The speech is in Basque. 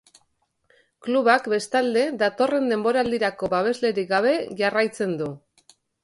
Klubak, bestalde, datorren denboraldirako babeslerik gabe jarraitzen du.